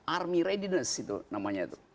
army readiness itu namanya itu